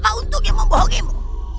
apa untuk yang membohongimu